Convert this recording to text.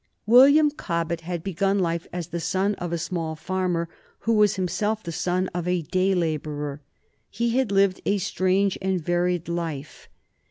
William Cobbett had begun life as the son of a small farmer, who was himself the son of a day laborer. He had lived a strange and varied life.